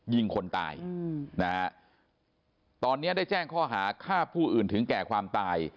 ยิงคนตายนะฮะตอนนี้ได้แจ้งข้อหาฆ่าผู้อื่นถึงแก่ความตาย